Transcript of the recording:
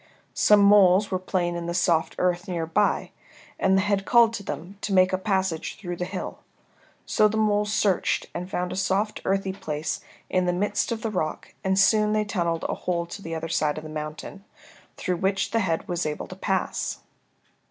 Some moles were playing in the soft earth near by, and the head called to them to make a passage through the hill. So the moles searched and found a soft earthy place in the midst of the rock and soon they tunnelled a hole to the other side of the mountain, through which the head was able to pass.